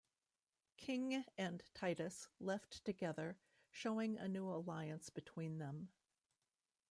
King and Titus left together, showing a new alliance between them.